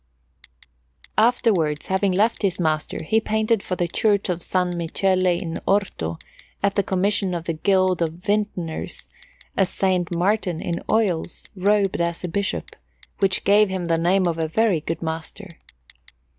Afterwards, having left his master, he painted for the Church of S. Michele in Orto, at the commission of the Guild of Vintners, a S. Martin in oils, robed as a Bishop, which gave him the name of a very good master.